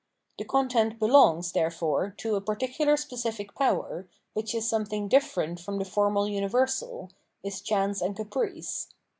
The content belongs, therefore, to a peculiar specific power, which is something different from the formal universal, is chance and caprice.